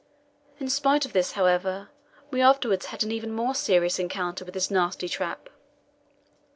In spite of this, however, we afterwards had an even more serious encounter with this nasty trap.